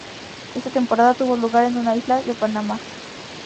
Esta temporada tuvo lugar en una isla en Panamá.